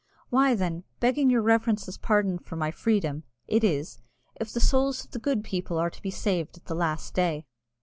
"Why, then, begging your reverence's pardon for my freedom, it is, If the souls of the good people are to be saved at the last day?"